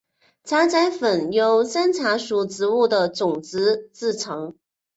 茶籽粉由山茶属植物的种子制成。